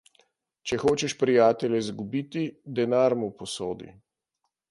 Če hočeš prijatelja izgubiti, denar mu posodi.